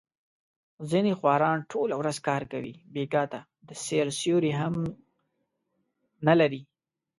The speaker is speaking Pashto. ځنې خواران ټوله ورځ کار کوي، بېګاه ته د سیر سیوری هم نه لري.